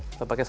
kita pake sabun